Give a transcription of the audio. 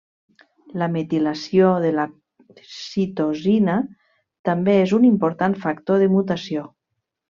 La metilació de la citosina també és un important factor de mutació.